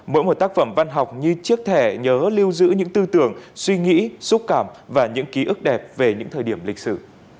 mỗi một tác phẩm văn học như chiếc thẻ nhớ lưu giữ những tư tưởng suy nghĩ xúc cảm và những ký ức đẹp về những thời điểm lịch sử